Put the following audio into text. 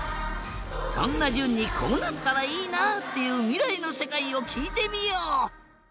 そんなじゅんにこうなったらいいなっていうみらいのせかいをきいてみよう。